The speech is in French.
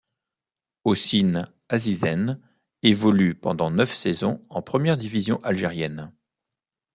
Hocine Azzizene évolue pendant neuf saisons en première division algérienne.